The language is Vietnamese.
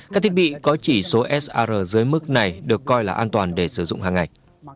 các thiết bị có chỉ số sir dưới mức này được coi là an toàn để sử dụng hàng ngày